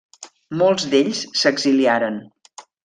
Molts d'ells s'exiliaren.